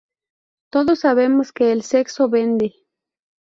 Todos sabemos que el sexo vende".